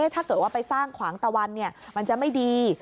ถ้าเกิดว่าไปสร้างขวางตะวันมันจะไม่ดี